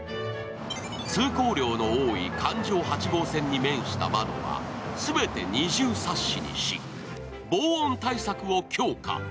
通考慮の多い環状八号線に面した窓は全て二重サッシにし、防音対策を強化。